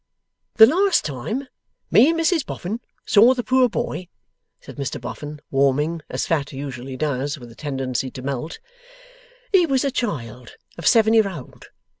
'The last time me and Mrs Boffin saw the poor boy,' said Mr Boffin, warming (as fat usually does) with a tendency to melt, 'he was a child of seven year old.